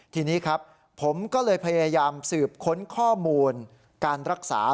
ทีนี้ครับผมก็เลยพยายามสืบค้นข้อมูลการรักษา